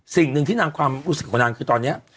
สิ่งหนึ่งที่นางความรู้สึกของนางคือตอนนี้